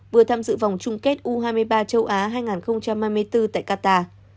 vừa tham dự vòng chung kết u hai mươi ba châu á hai nghìn hai mươi bốn tại qatar